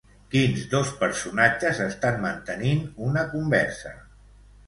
Quins dos personatges estan mantenint una conversa?